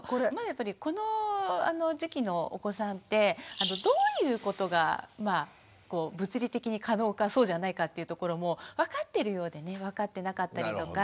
この時期のお子さんってどういうことがまあ物理的に可能かそうじゃないかっていうところもわかってるようでねわかってなかったりとか。